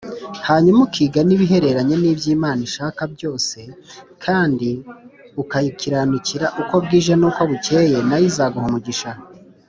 hanyuma ukiga n’ ibihereranye nibyo Imana ishaka byose kandi ukayikiranukira uko bwije nuko bukeye nayo izaguha umugisha.